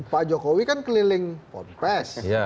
pak jokowi kan keliling ponpes